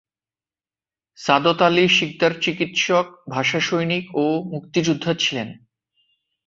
সাদত আলী সিকদার চিকিৎসক, ভাষা সৈনিক ও মুক্তিযোদ্ধা ছিলেন।